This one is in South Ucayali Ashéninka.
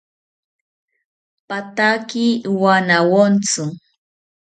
Pathaki wanawontzi